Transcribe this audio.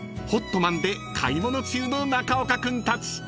ホットマンで買い物中の中岡君たち］